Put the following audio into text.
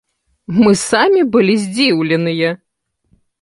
Мы самі былі здзіўленыя!